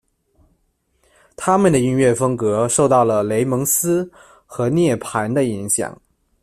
他们的音乐风格受到了、雷蒙斯和涅盘的影响。